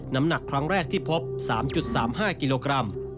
น้ำหนักครั้งแรกที่พบ๓๓๕กิโลกรัม